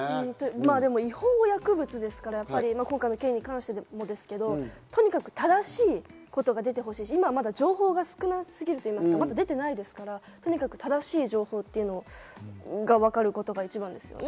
違法薬物ですから、今回の件に関してもですけど、とにかく正しいことが出てほしいし、今は情報が少なすぎるというか、出ていないですから、正しい情報がわかることが一番ですよね。